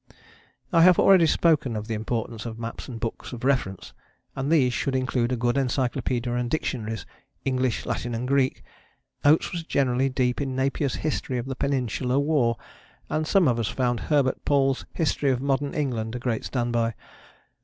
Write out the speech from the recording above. I have already spoken of the importance of maps and books of reference, and these should include a good encyclopaedia and dictionaries, English, Latin and Greek. Oates was generally deep in Napier's History of the Peninsular War, and some of us found Herbert Paul's History of Modern England a great stand by.